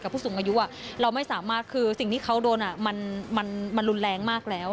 ผู้สูงอายุเราไม่สามารถคือสิ่งที่เขาโดนมันรุนแรงมากแล้ว